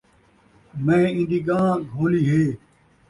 میں این٘دی ڳان٘ھ گھولی ہے ؟